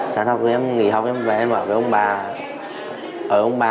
tràn học rồi em nghỉ học em về em bảo với ông bà